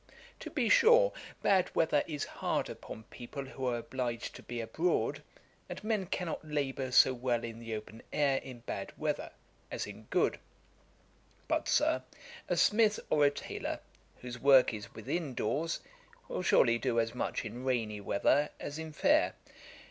To be sure, bad weather is hard upon people who are obliged to be abroad; and men cannot labour so well in the open air in bad weather, as in good: but, Sir, a smith or a taylor, whose work is within doors, will surely do as much in rainy weather, as in fair.